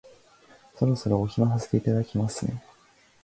そろそろお暇させていただきますね